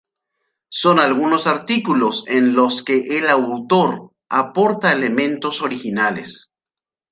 Son algunos artículos en los que el autor aporta elementos originales.